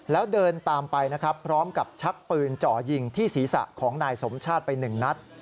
แล้วเดินตามไปนะครับพร้อมกับชักปืนเจาะยิงที่ศีรษะของนายสมชาติไปหนึ่งนัด